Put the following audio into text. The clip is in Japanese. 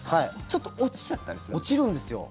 ちょっと落ちちゃったりするんですか？